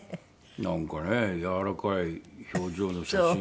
なんかねやわらかい表情の写真が増えてきました。